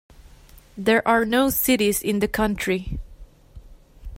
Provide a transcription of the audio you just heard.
There are no cities in the country.